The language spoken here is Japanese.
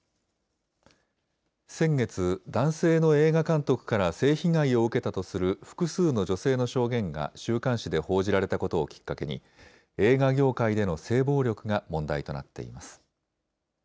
先月、男性の映画監督から性被害を受けたとする複数の女性の証言が週刊誌で報じられたことをきっかけに、映画業界での性暴力が問題となっています。